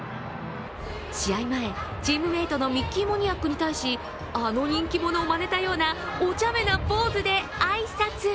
試合前、チームメートのミッキー・モニアックに対しあの人気者をまねたようなおちゃめなポーズで挨拶。